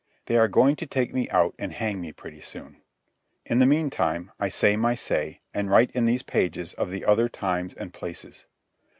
They are going to take me out and hang me pretty soon. In the meantime I say my say, and write in these pages of the other times and places.